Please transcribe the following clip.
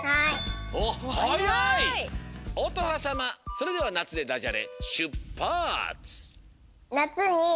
それでは「なつ」でダジャレしゅっぱつ！